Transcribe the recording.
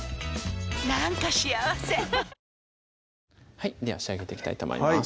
はいでは仕上げていきたいと思います